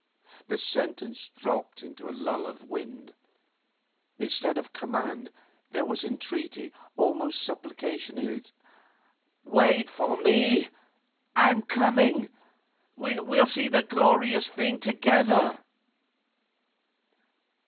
The sentence dropped into a lull of wind. Instead of command there was entreaty, almost supplication, in it. 'Wait for me, I'm coming. We'll see the glorious thing together!